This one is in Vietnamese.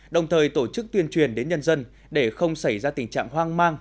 đồng thời tổ chức tuyên truyền đến nhân dân để không xảy ra tình trạng hoang mang